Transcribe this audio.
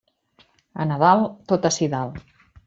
A Nadal, tot ací dalt.